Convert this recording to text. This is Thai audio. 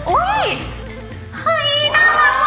โอ้ยน่ารักมากเลยอะ